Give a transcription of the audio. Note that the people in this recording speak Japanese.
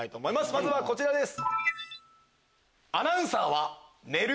まずはこちらです。